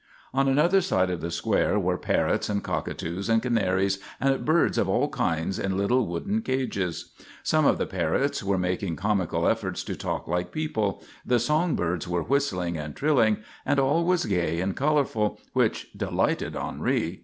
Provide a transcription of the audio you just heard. On another side of the square were parrots and cockatoos and canaries and birds of all kinds in little wooden cages. Some of the parrots were making comical efforts to talk like people, the song birds were whistling and trilling, and all was gay and colourful, which delighted Henri.